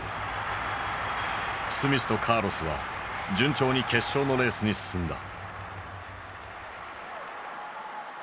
スミスとカーロスは順調に決勝のレースに進んだ。